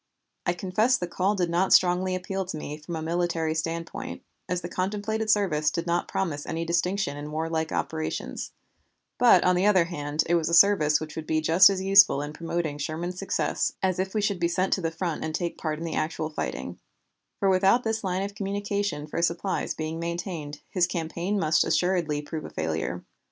I confess the call did not strongly appeal to me from a military viewpoint, as the contemplated service did not promise any distinction in warlike operations; but on the other hand, it was a service which would be just as useful in promoting Sherman's success as if we should be sent to the front and take part in the actual fighting, for without this line of communication for supplies being maintained his campaign must assuredly prove a failure.